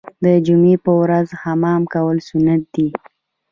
د جمعې په ورځ حمام کول سنت دي.